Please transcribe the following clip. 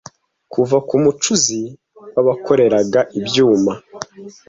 kuva kumucuzi wabakoreraga ibyuma